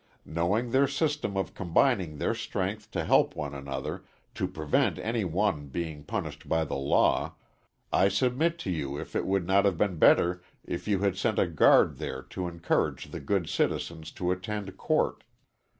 Knowing their system of combining their strength to help one another, to prevent any one being punished by the law, I submit to you if it would not have been better if you had sent a guard there to encourage the good citizens to attend court.